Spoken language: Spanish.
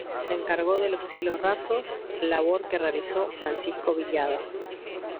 Se encargó de los cielos rasos, labor que realizó Francisco Villada.